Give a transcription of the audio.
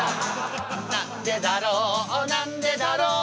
「なんでだろうなんでだろう」